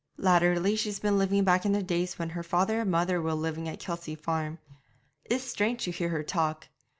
Latterly she's been living back in the days when her father and mother were living at Kelsey Farm. It's strange to hear her talk.